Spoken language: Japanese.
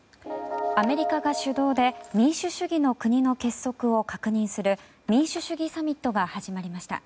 アメリカが主導で民主主義の国の結束を確認する民主主義サミットが始まりました。